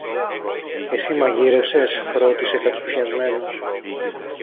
Εσύ μαγείρεψες; ρώτησε κατσουφιασμένος.